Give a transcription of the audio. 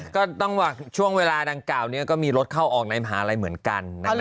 ก็ต้องหวังช่วงเวลานักเล่นเก่านี้ก็มีรถเข้าออกในมหาลัยเหมือนกัน